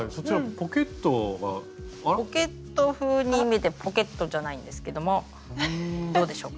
ポケット風に見えてポケットじゃないんですけどもどうでしょう？